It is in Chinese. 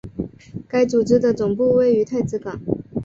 该组织的总部位于太子港。